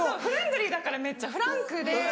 フレンドリーだからめっちゃフランクで。